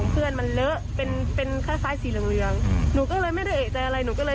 ไปซักค่ะแล้วก็ทีนี้ก็เลยเริ่มเอกใจกันแล้ว